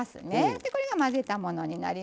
でこれが混ぜたものになります。